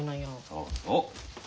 そうそう。